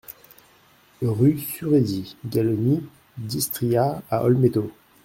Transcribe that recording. Rue Sureddi Galloni d'Istria à Olmeto